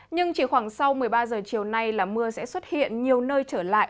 nhưng chỉ khoảng sau một mươi ba h chiều nay là mưa sẽ xuất hiện nhiều nơi trở lại